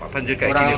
banjir kayak gini kok